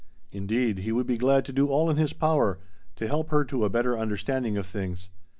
Indeed, he would be glad to do all in his power to help her to a better understanding of things.